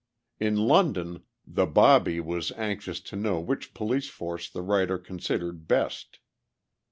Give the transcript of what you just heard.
In London, the "bobby" was anxious to know which police force the writer considered best.